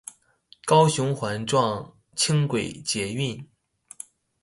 高雄環狀輕軌捷運